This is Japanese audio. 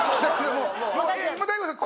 もう大悟さん